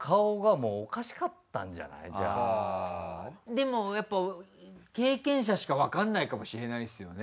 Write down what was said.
でもやっぱ経験者しかわかんないかもしれないっすよね